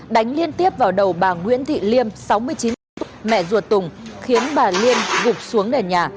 đánh liên tiếp vào đầu bà nguyễn thị liêm sáu mươi chín tuổi mẹ ruột tùng khiến bà liên gục xuống nền nhà